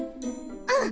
うん！